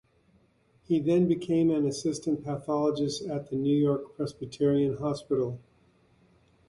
He then became an assistant pathologist at the New York Presbyterian Hospital.